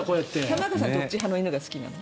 玉川さんはどっち派の犬が好きなの？